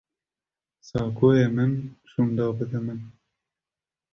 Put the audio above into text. Saqoyê min şûnde bide min.